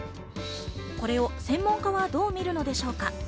これを専門家はどう見るのでしょうか？